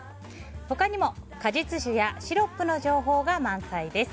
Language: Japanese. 他にも果実酒やシロップの情報が満載です。